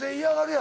や